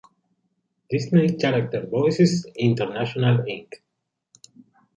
Disney Character Voices International Inc.